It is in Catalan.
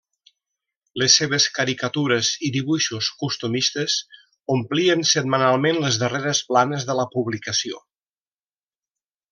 Les seves caricatures i dibuixos costumistes omplien setmanalment les darreres planes de la publicació.